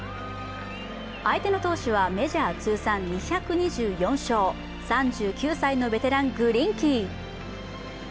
相手の投手はメジャー通算２２４勝３９歳のベテラン、グリンキー。